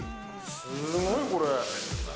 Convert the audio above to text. すごい、これ。